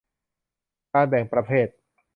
การแบ่งประเภท